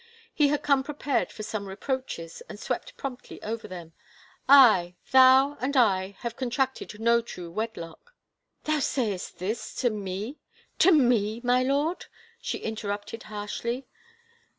He had come prepared for some reproaches and swept promptly over them. "Aye ... thou and I have con tracted no true wedlock." " Thou sayest this to me, to me, my lord ?" she inter rupted harshly.